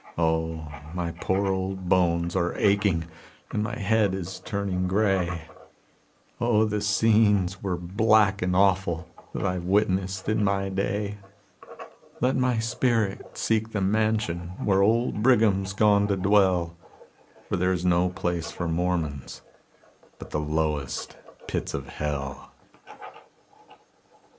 Oh, my poor old bones are aching and my head is turning gray; Oh, the scenes were black and awful that I've witnessed in my day. Let my spirit seek the mansion where old Brigham's gone to dwell, For there's no place for Mormons but the lowest pits of hell.